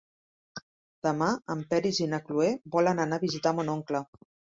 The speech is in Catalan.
Demà en Peris i na Cloè volen anar a visitar mon oncle.